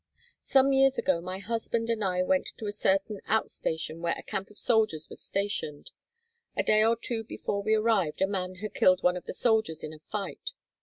Some years ago my husband and I went to a certain out station where a camp of soldiers was stationed. A day or two before we arrived a man had killed one of the soldiers in a fight.